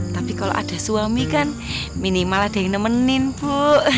tapi kalau ada suami kan minimal ada yang nemenin bu